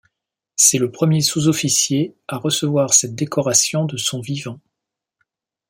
C'est le premier sous officier à recevoir cette décoration de son vivant.